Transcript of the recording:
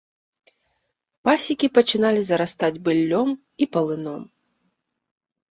Пасекі пачыналі зарастаць быллём і палыном.